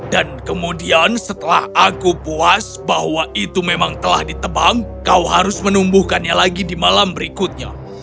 dan kemudian setelah aku puas bahwa itu memang telah ditebang kau harus menumbuhkannya lagi di malam berikutnya